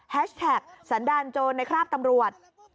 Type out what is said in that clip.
แท็กสันดาลโจรในคราบตำรวจ